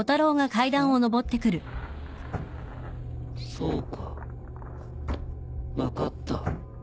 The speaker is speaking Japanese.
そうか分かった。